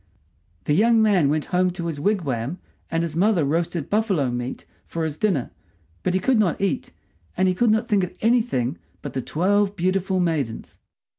The young man went home to his wigwam, and his mother roasted buffalo meat for his dinner; but he could not eat, and he could not think of anything but the twelve beautiful maidens.